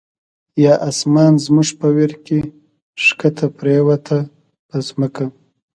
یا آسمان زموږ په ویر کی، ښکته پر یووته په ځمکه